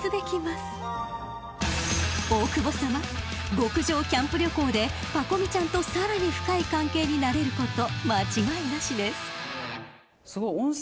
極上キャンプ旅行でパコ美ちゃんとさらに深い関係になれること間違いなしです］